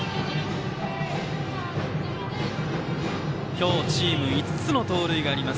今日チーム５つの盗塁があります